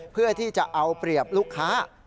เพื่อที่จะเอาเปรียบลูกค้า